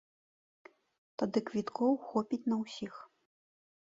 Тады квіткоў хопіць на ўсіх.